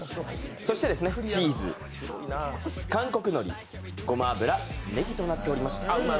そしてチーズ、韓国のり、ごま油、ねぎとなっております。